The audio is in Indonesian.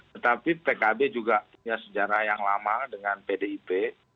tetapi pkb juga punya sejarah yang lama dengan pdip